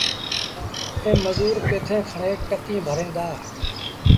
ائيٚݩ مزور پيٿين کڻي ٽڪيٚݩ ڀريٚݩ دآ۔